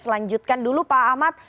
selanjutkan dulu pak ahmad